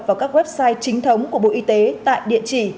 vào các website chính thống của bộ y tế tại địa chỉ